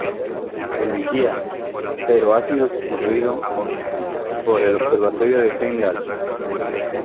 El Vigía, pero ha sido sustituida por el observatorio de Heimdall.